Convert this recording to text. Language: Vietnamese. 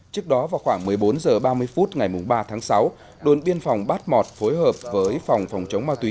trước đó vào khoảng một mươi bốn h ba mươi phút ngày ba tháng sáu đồn biên phòng bát mọt phối hợp với phòng phòng chống ma túy